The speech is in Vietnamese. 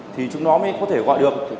thì chúng nó mới có thể gọi được